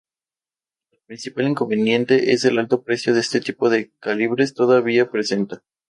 El principal inconveniente es el alto precio que este tipo de calibres todavía presentan.